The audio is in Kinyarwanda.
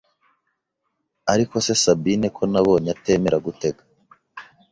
ariko se Sabine ko nabonye atemera gutega